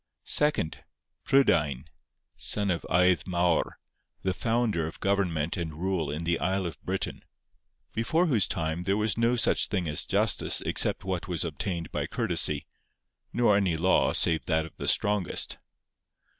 Second, Prydain, son of Aedd Mawr, the founder of government and rule in the isle of Britain, before whose time there was no such thing as justice except what was obtained by courtesy, nor any law save that of the strongest.